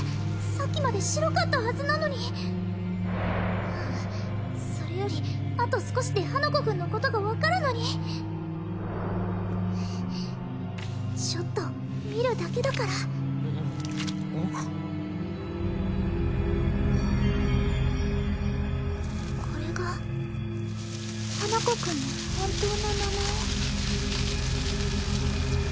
さっきまで白かったはずなのにううんそれよりあと少しで花子くんのことが分かるのにちょっと見るだけだからうん？これが花子くんの本当の名前？